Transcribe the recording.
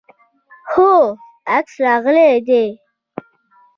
هو، عکس راغلی دی